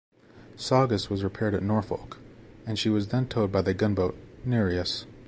"Saugus" was repaired at Norfolk and she was then towed by the gunboat "Nereus".